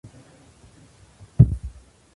دا څوک په ډېر افسوس وايي : دنيا څونه کږه ده